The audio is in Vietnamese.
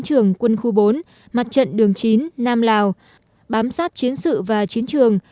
trưởng quân khu bốn mặt trận đường chín nam lào bám sát chiến sự và chiến trường